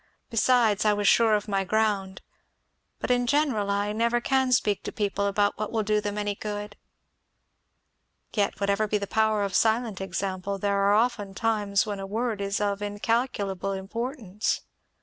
"Besides, I was sure of my ground. But in general I never can speak to people about what will do them any good." "Yet whatever be the power of silent example there are often times when a word is of incalculable importance."